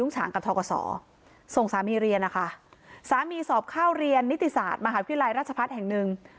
ฉางกับทกศส่งสามีเรียนนะคะสามีสอบเข้าเรียนนิติศาสตร์มหาวิทยาลัยราชพัฒน์แห่งหนึ่ง